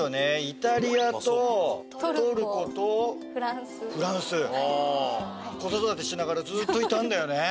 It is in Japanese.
イタリアとトルコフランスはいトルコとフランス子育てしながらずっといたんだよね